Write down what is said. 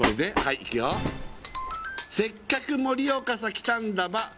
いくよ「せっかく盛岡さ来たんだば」